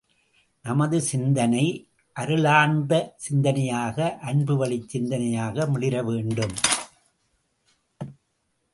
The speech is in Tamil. நமது சிந்தனை அருளார்ந்த சிந்தனையாக அன்புவழிச் சிந்தனையாக மிளிர வேண்டும்.